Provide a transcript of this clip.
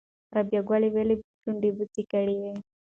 رابعه ګل ولې شونډه بوڅه کړې وه؟